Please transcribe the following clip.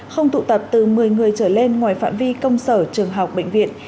không tụ tập từ một mươi người trở lên ngoài phạm vi công sở trường học bệnh viện